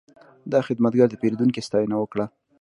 دا خدمتګر د پیرودونکي ستاینه وکړه.